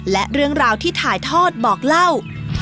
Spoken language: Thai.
และเรื่องราวที่ถ่ายทอดบอกเล่า